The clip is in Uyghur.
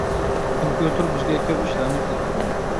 كومپيۇتېر بىزگە كۆپ ئىشلارنى قىلىپ بېرىدۇ.